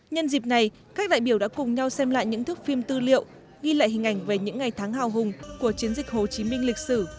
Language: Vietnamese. nhân dịp này các đại biểu đã cùng nhau xem lại những thước phim tư liệu ghi lại hình ảnh về những ngày tháng hào hùng của chiến dịch hồ chí minh lịch sử